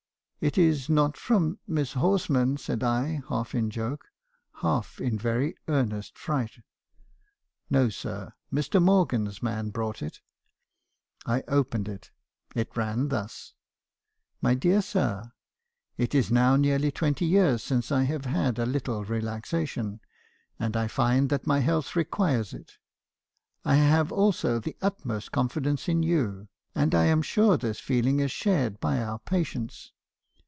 " 'It is not from Miss Horsman?' said I, half in joke, — half in very earnest fright. '"No, sir; Mr. Morgan's man brought it/ " I opened it. It ran thus :" 'My dear Sir, — It is now nearly twenty years since I have had a little relaxation, and I find that my health requires it. I have also the utmost confidence in you, and I am sure this feeling is shared by our patients.